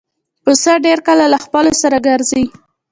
پسه ډېر کله له خپلو سره ګرځي.